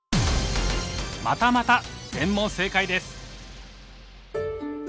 またまた全問正解です！